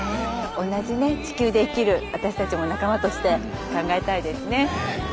同じね地球で生きる私たちも仲間として考えたいですね。